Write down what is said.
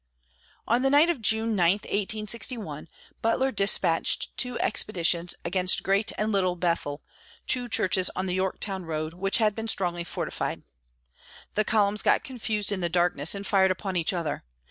On the night of June 9, 1861, Butler dispatched two expeditions against Great and Little Bethel, two churches on the Yorktown road, which had been strongly fortified. The columns got confused in the darkness, and fired upon each other.